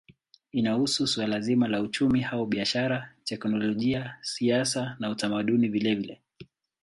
Inahusu suala zima la uchumi au biashara, teknolojia, siasa na utamaduni vilevile.